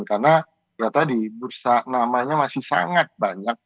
karena ternyata di bursa namanya masih sangat banyak